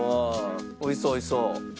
おいしそうおいしそう。